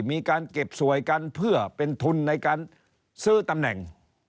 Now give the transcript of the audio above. มีการเก็บสวยกันเพื่อเป็นทุนในการซื้อตำแหน่ง